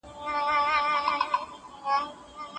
د شتمنۍ په خاطر د ښځو سره نکاح څه ستونزه لري؟